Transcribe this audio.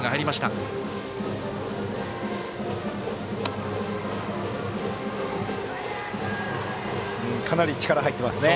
かなり力が入っていますね。